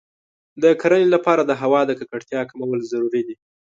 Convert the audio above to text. د کرنې لپاره د هوا د ککړتیا کمول ضروري دی.